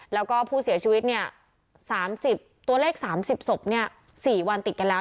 แล้วก็ผู้เสียชีวิต๓๐ตัวเลข๓๐ศพ๔วันติดกันแล้ว